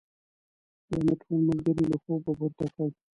بيا مې ټول ملګري له خوبه پورته کړل.